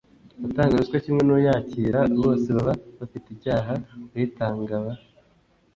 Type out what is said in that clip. Utanga ruswa kimwe n’uyakira bose baba bafite icyaha. Uyitanga aba